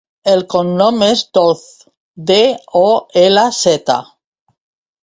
El cognom és Dolz: de, o, ela, zeta.